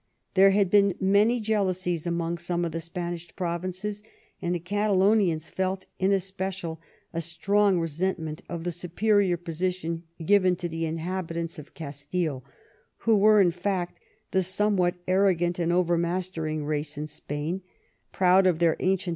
There had been many jealousies among some of the Spanish provinces, and the Catalonians felt in especial a strong resentment of the superior position given to the inhabitants of Castille, who were, in fact, the somewhat arrogant and overmastering race in Spain, proud of their ancient.